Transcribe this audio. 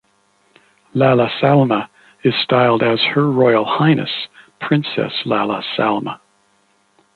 Lalla Salma is styled as Her Royal Highness Princess Lalla Salma.